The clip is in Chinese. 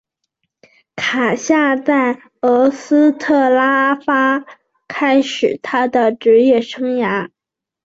卡夏在俄斯特拉发开始他的职业生涯。